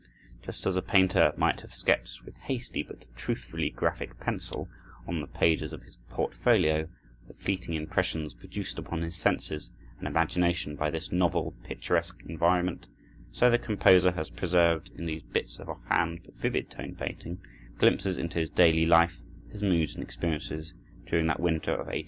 Just as a painter might have sketched, with hasty but truthfully graphic pencil, on the pages of his portfolio, the fleeting impressions produced upon his senses and imagination by this novel, picturesque environment, so the composer has preserved in these bits of offhand but vivid tone painting, glimpses into his daily life, his moods and experiences during that winter of 1838 39.